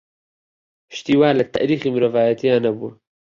شتی وا لە تاریخی مرۆڤایەتی نەبووە.